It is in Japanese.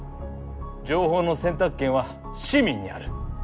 情報の選択権は市民にある。